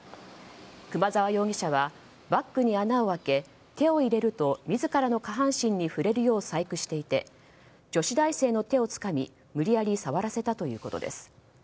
熊沢容疑者はバッグに穴を開け手を入れると自らの下半身に触れるよう細工していて女子大生の手をつかみ無理やり触らせたということです。